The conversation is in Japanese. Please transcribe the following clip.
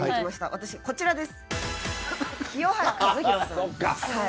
私はこちらです。